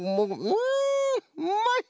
うんうまい！